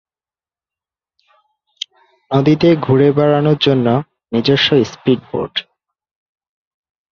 নদীতে ঘুরে বেড়ানোর জন্য নিজস্ব স্প্রিডবোট।